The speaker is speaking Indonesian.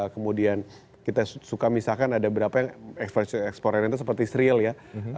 kemudian kita suka misalkan ada beberapa yang ekspornya seperti serial ya